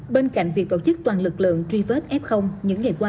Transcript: bên cạnh việc tổ chức toàn lực lượng trivet f những ngày qua